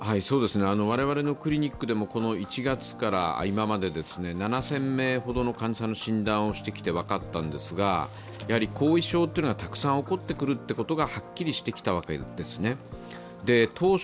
我々のクリニックでも１月から今までで７０００名ほどの患者さんの診断をして分かったんですがやはり後遺症はたくさん起こってくるということがはっきりしてきたわけですね。